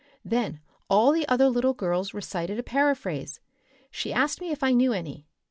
Then all the other little girls recited a paraphrase. She asked me if I knew any.